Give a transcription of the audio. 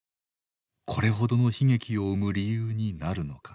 これほどの悲劇を生む理由になるのか。